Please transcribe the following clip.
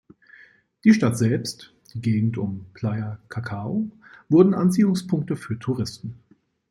Die Stadt selbst, die Gegend um "Playa Cacao" wurden Anziehungspunkte für Touristen.